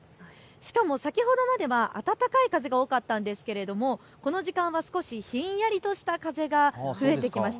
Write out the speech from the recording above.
しかも先ほどまでは暖かい風が多かったんですけれどもこの時間は少しひんやりとした風が増えてきました。